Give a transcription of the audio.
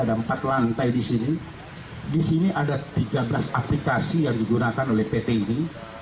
ada empat lantai disini disini ada tiga belas aplikasi yang digunakan oleh pt ini